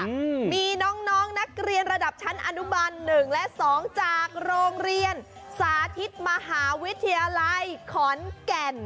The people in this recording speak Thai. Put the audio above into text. มีน้องนักเรียนระดับชั้นอนุบัน๑และ๒จากโรงเรียนสาธิตมหาวิทยาลัยขอนแก่น